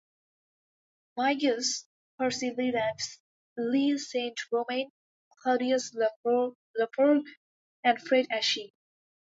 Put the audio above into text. Migues, Percy LeLand, Lee St.Romain, Cledius LaFargue and Fred Ashy.